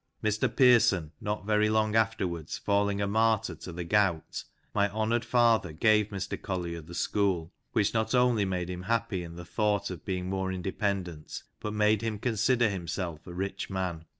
Mr Pearson not very long afterwards falling a martyr to the gout, my honoured father gave Mr Collier the school, which not only made him happy in the thought of being more inde pendent, but made him consider himself a rich man."